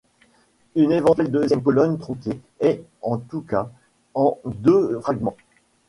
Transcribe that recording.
Une éventuelle deuxième colonne tronquée est, en tout cas, en deux fragments.